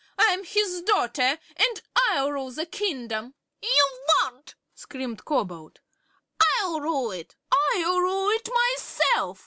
I'm his daughter, and I'll rule the kingdom." "You won't!" screamed Cobalt. "I'll rule it!" "I'll rule it myself!"